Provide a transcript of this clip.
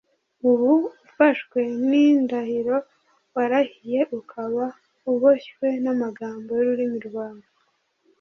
uba ufashwe n’indahiro warahiye, ukaba uboshywe n’amagambo y’ururimi rwawe